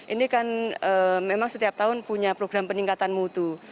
ini kan memang setiap tahun punya program peningkatan mutu